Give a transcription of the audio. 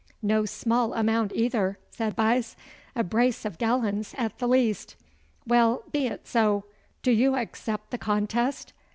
'No small amount, either,' said Buyse; 'a brace of gallons at the least. Well, be it so. Do you accept the contest?